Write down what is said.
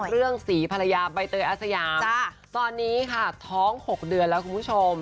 เรื่องสีภรรยาใบเตยอาสยาตอนนี้ค่ะท้อง๖เดือนแล้วคุณผู้ชม